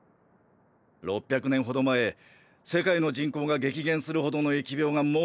６００年ほど前世界の人口が激減するほどの疫病が猛威を振るった時代があった。